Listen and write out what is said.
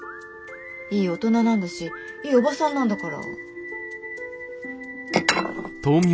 いい大人なんだしいいおばさんなんだから。